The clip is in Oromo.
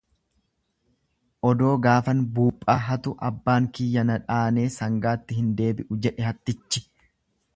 Odoo gaafan buphaa hatu abbaan kiyya na dhaanee sangaatti hin deebi'u jedhe hattichi.